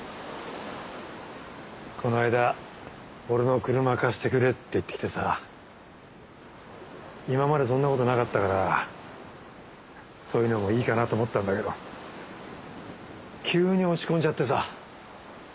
この間俺の車貸してくれって言ってきてさ今までそんなことなかったからそういうのもいいかなと思ったんだけど急に落ち込んじゃってさ。